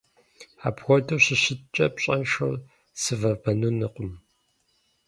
Апхуэдэу щыщыткӀэ, пщӀэншэу сывэбэнынукъым.